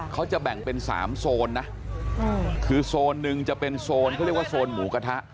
เขาจะแบ่งเป็น๓โซนนะคือโซนนึงจะเป็นโซนเขาเรียกว่าโซนหมูกระทะ